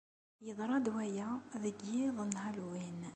Yeḍṛa-d waya deg iḍ n Halloween.